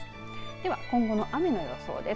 では今後の雨の予想です。